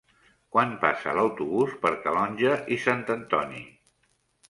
Quan passa l'autobús per Calonge i Sant Antoni?